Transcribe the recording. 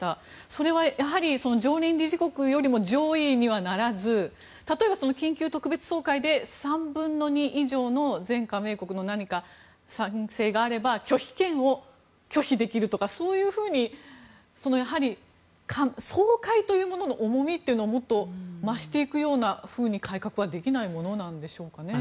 それは常任理事国よりも上位にはならず例えば、緊急特別総会で３分の２以上の全加盟国の賛成があれば拒否権を拒否できるとかそういうふうに総会というものの重みというものをもっと増していくようなふうに改革はできないものなんですか。